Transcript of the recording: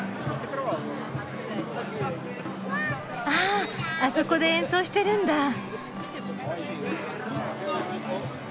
ああそこで演奏してるんだ。